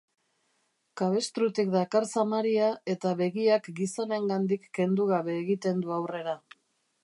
Kabestrutik dakar zamaria eta begiak gizonengandik kendu gabe egiten du aurrera.